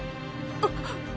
⁉あっ。